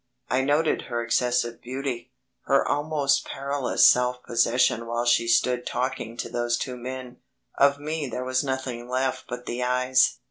I noted her excessive beauty; her almost perilous self possession while she stood talking to those two men. Of me there was nothing left but the eyes.